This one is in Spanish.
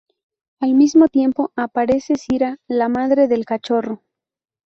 Al mismo tiempo, aparece Zira, la madre del cachorro.